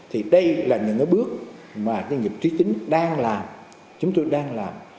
thì đây là những cái bước mà doanh nghiệp trí tính đang làm chúng tôi đang làm